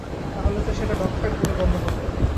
তাহলে তো সেটা ডগ ফাইট বলে গণ্য হবে।